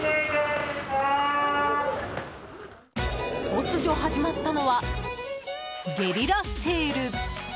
突如始まったのはゲリラセール。